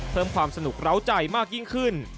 เพิ่มความสนุกร้าวใจมากยิ่งขึ้น